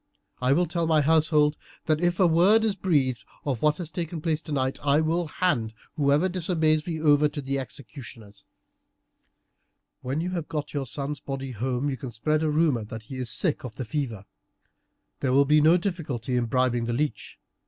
I will tell my household that if a word is breathed of what has taken place tonight, I will hand whoever disobeys me over to the executioners. When you have got your son's body home you can spread a rumour that he is sick of the fever. There will be no difficulty in bribing the leech.